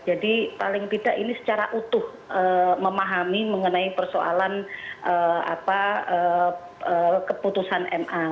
jadi paling tidak ini secara utuh memahami mengenai persoalan keputusan ma